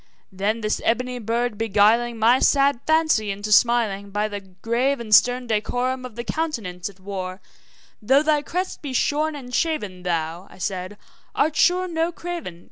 Then this ebony bird beguiling my sad fancy into smiling, By the grave and stern decorum of the countenance it wore, `Though thy crest be shorn and shaven, thou,' I said, `art sure no craven.